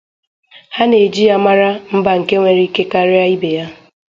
Ha na-eji ya mara mba nke nwere ike karịa ibe ya